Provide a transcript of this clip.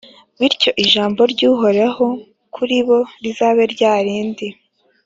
Bityo ijambo ry’Uhoraho kuri bo, rizabe rya rindi: